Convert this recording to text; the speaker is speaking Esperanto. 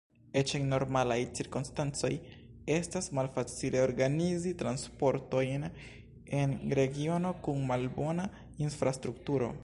Eĉ en normalaj cirkonstancoj estas malfacile organizi transportojn en regiono kun malbona infrastrukturo.